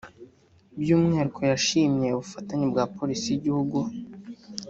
by’umwihariko yashimye ubufatanye bwa Polisi y’igihugu